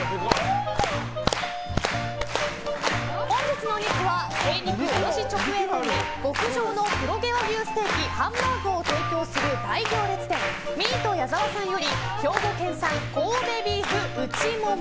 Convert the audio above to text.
本日のお肉は、精肉卸直営店で極上の黒毛和牛ステーキハンバーグを提供する大行列店ミート矢澤さんより兵庫県産神戸ビーフ内モモ